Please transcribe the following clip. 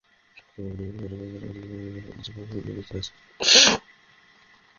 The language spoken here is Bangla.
গাজাবাসী মনে করেন, তাঁরা কার্যত খোলা আকাশের নিচে কারাবন্দী অবস্থায় আছেন।